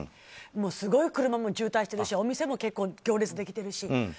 すごい車も渋滞しているしお店も結構行列ができているし。